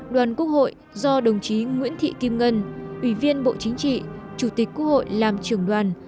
đoàn quốc hội do đồng chí nguyễn thị kim ngân ủy viên bộ chính trị chủ tịch quốc hội làm trưởng đoàn